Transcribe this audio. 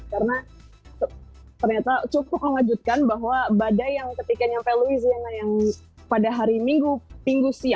karena ternyata cukup mengejutkan bahwa badai yang ketika nyampe louisiana yang pada hari minggu